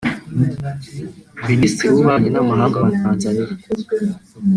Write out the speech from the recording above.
minisitiri w’ububanyi n’amahanga wa Tanzania